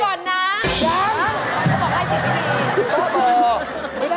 ฉันไปก่อนนะ